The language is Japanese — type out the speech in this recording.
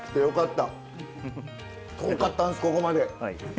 遠かったんですここまで。